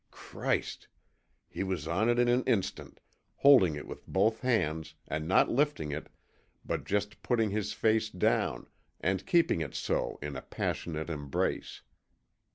Christ! He was on it in an instant, holding it with both hands and not lifting it, but just putting his face down and keeping it so in a passionate embrace.